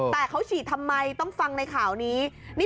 แต่เขาฉีดทำไมต้องฟังในข่าวนี้